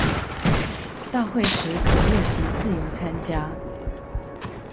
大會時可列席自由參加